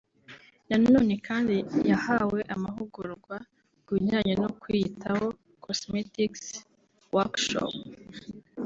nanone kandi yahawe amahugurwa ku bijyanye no kwiyitaho (cosmetics workshop)